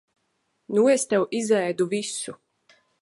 Nu es tev izēdu visu.